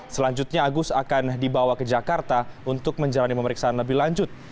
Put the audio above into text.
selanjutnya agus akan dibawa ke jakarta untuk menjalani pemeriksaan lebih lanjut